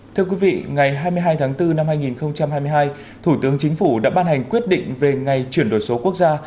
thưa quý vị ngày hai mươi hai tháng bốn năm hai nghìn hai mươi hai thủ tướng chính phủ đã ban hành quyết định về ngày chuyển đổi số quốc gia